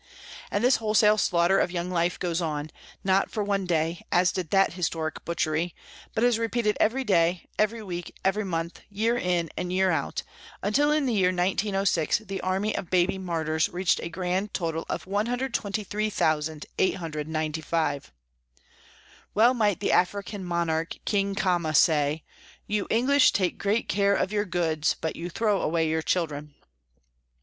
And this wholesale slaughter of young life goes on, not for one day, as did that historic butchery, but is repeated every day, every week, every month, year in and year out, until in the year 1906 the army of baby martyrs reached a grand total of 123,895. Well might the African monarch, King Khama, say, " You English take great care of your goods, but you throw away your children."